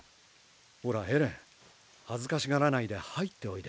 ほらエレン恥ずかしがらないで入っておいで。